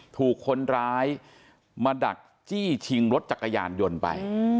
ถูกคนร้ายมาดักจี้ชิงรถจักรยานยนต์ไป